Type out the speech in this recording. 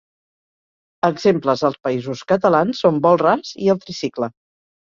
Exemples als Països Catalans són Vol Ras i El Tricicle.